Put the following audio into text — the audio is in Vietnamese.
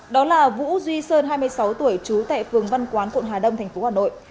đó là vũ duy sơn hai mươi sáu tuổi trú tại phường văn quán quận hà đông tp hà nội